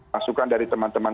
masukan dari teman teman